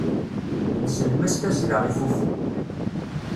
Nsellem-as tazzla i fuffu.